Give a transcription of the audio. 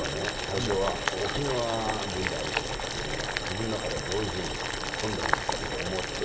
最初は沖縄人であることっていうのは自分の中ではどういうふうに本土に行った時思われた？